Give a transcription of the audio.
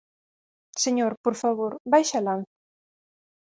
Señor, por favor, baixe a lanza.